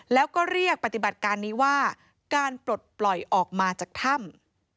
แล้วก็เรียกปฏิบัติการนี้ว่าการปลดปล่อยออกมาจากถ้ำ